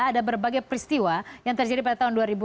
ada berbagai peristiwa yang terjadi pada tahun dua ribu enam belas